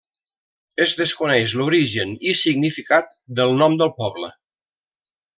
Es desconeix l'origen i significat del nom del poble.